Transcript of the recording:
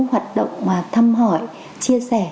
hoạt động mà thăm hỏi chia sẻ